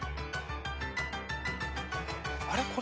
あれ？